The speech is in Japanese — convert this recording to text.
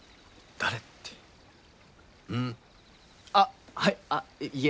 あっはいあっいえ。